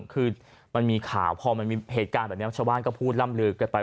คือมันมีข่าวพอมันมีเหตุการณ์แบบนี้ชาวบ้านก็พูดล่ำลือกันไป